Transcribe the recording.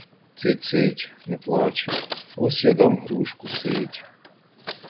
Цить, цить, не плач, ось я дам грушку, цить!